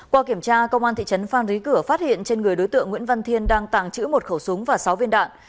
qua kiểm tra công an thị trấn phan rí cửa phát hiện trên người đối tượng nguyễn văn thiên đang tàng trữ một khẩu súng và sáu viên đạn